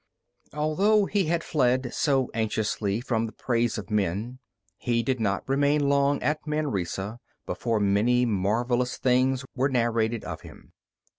Although he had fled so anxiously from the praise of men, he did not remain long at Manresa before many marvellous things were narrated of him.